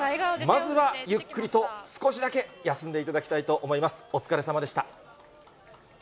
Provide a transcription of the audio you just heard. まずはゆっくりと少しだけ休んでいただきたいと思います。